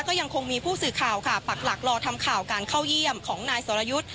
ก็ยังคงมีผู้สื่อข่าวค่ะปักหลักรอทำข่าวการเข้าเยี่ยมของนายสรยุทธ์